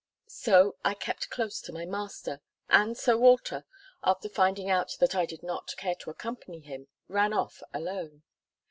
So I kept close to my master, and Sir Walter, after finding out that I did not care to accompany him, ran off alone.